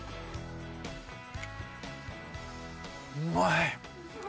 うまい！